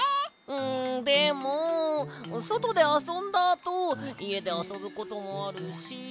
んでもそとであそんだあといえであそぶこともあるし。